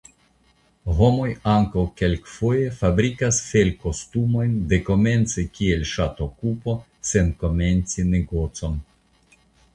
Homoj ankaŭ kelkfoje fabrikas felkostumojn dekomence kiel ŝatokupo sen komenci negocon.